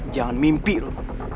jangan mimpi lu